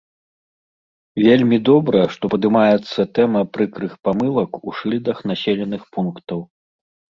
Вельмі добра, што падымаецца тэма прыкрых памылак у шыльдах населеных пунктаў.